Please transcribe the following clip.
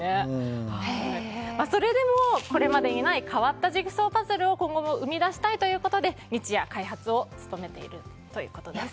それでも、これまでにない変わったジグソーパズルを今後も生み出したいということで日夜開発に努めているということです。